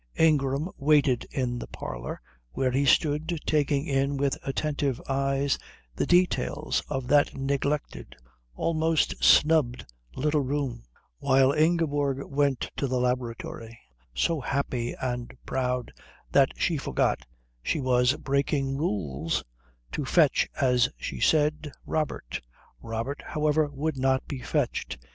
Ingram waited in the parlour, where he stood taking in with attentive eyes the details of that neglected, almost snubbed little room, while Ingeborg went to the laboratory, so happy and proud that she forgot she was breaking rules, to fetch, as she said, Robert. Robert, however, would not be fetched.